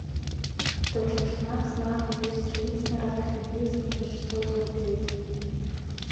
Даҽа ҽнак зны аҳ иҩызцәа ицны раԥхьа диасны дышцоз лбеит.